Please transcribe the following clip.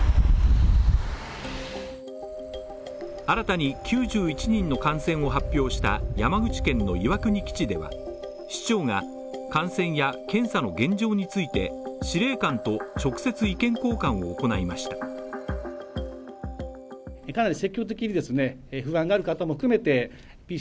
新たに９１人の感染を発表した山口県の岩国基地では、市長が感染や検査の現状について、司令官と直接意見交換を行いました。